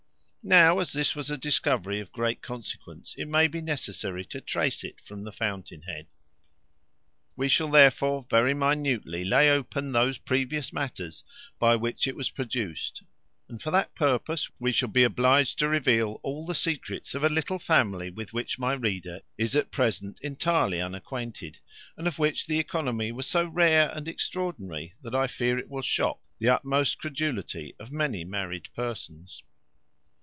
Now, as this was a discovery of great consequence, it may be necessary to trace it from the fountain head. We shall therefore very minutely lay open those previous matters by which it was produced; and for that purpose we shall be obliged to reveal all the secrets of a little family with which my reader is at present entirely unacquainted; and of which the oeconomy was so rare and extraordinary, that I fear it will shock the utmost credulity of many married persons.